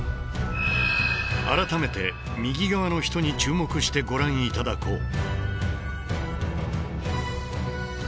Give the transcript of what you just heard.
改めて右側の人に注目してご覧頂こう。